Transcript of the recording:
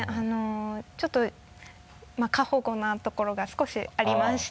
ちょっとまぁ過保護なところが少しありまして。